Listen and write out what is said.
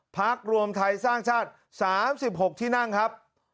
พักรวมไทยสร้างชาติ๓๖เขตครับ